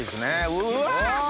うわ！